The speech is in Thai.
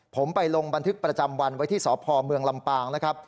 ผมไปลงบันทึกประจำวันไว้ที่สพเมืองลำปางนะครับ